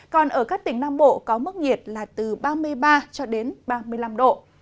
còn ở các tỉnh nam bộ có mức nhiệt là từ ba mươi ba cho đến ba mươi năm độ